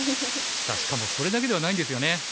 さあしかもそれだけではないんですよね。